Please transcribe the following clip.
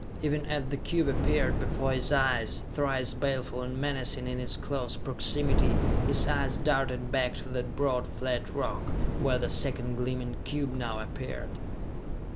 Even as the cube appeared before his eyes, thrice baleful and menacing in its close proximity, his eyes darted back to that broad flat rock, where the second gleaming cube now appeared!